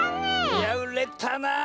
いやうれたな！